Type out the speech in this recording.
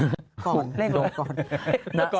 กรนเลขอะไรกรน